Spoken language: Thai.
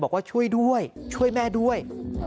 บอกว่าช่วยด้วยช่วยแม่ด้วย